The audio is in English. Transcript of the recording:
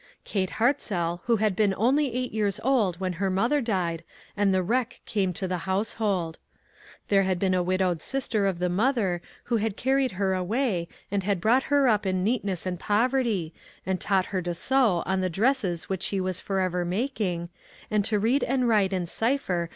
Kate Hartzell who had been only eight years old when her mother died and the wreck came to the household. There had been a wid owed sister of the mother who had car ried her away, and had brought her up in neatness and poverty, and taught her to sew on the dresses which she was forever making, and to read and write and cipher 184 ONE COMMONPLACE DAY.